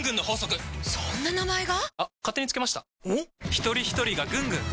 ひとりひとりがぐんぐん！